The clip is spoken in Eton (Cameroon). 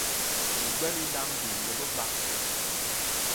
Me gbelé idam bininga be ba.